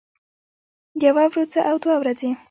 يوه وروځه او دوه ورځې